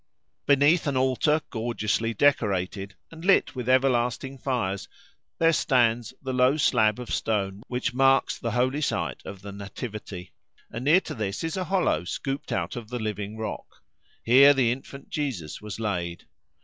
Beneath an altar gorgeously decorated, and lit with everlasting fires, there stands the low slab of stone which marks the holy site of the Nativity; and near to this is a hollow scooped out of the living rock. Here the infant Jesus was laid.